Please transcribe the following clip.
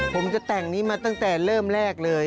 ผมจะแต่งนี้มาตั้งแต่เริ่มแรกเลย